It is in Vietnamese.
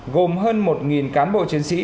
gồm hơn một cán bộ chiến sĩ